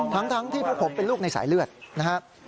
ทั้งที่พวกผมเป็นลูกในสายเลือดนะครับ